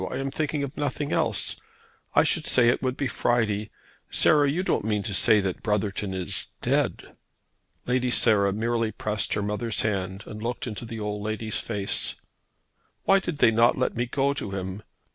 I am thinking of nothing else. I should say it would be Friday. Sarah, you don't mean to say that Brotherton is dead?" Lady Sarah merely pressed her mother's hand and looked into the old lady's face. "Why did not they let me go to him?